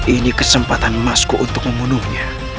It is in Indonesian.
ini kesempatan masku untuk membunuhnya